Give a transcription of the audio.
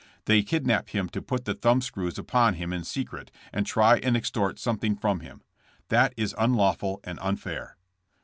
They kidnap him to put the thumb screws upon him in secret and try and extort something from him. That is unlawful and unfair.'